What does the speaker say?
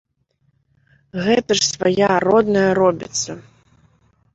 Гэта ж свая родная робіцца.